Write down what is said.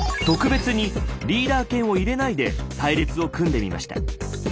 特別にリーダー犬を入れないで隊列を組んでみました。